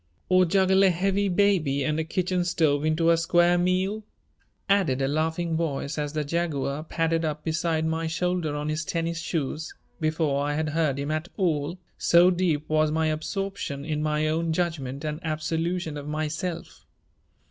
"Or juggle a heavy baby and a kitchen stove into a square meal?" added a laughing voice as the Jaguar padded up beside my shoulder on his tennis shoes before I had heard him at all, so deep was my absorption in my own judgment and absolution of myself.